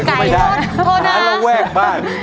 หาระแวกบ้าน